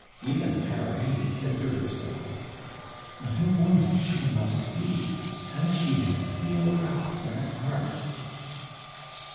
Even Carabine said to herself: "What a woman she must be! How she has sealed up that heart!"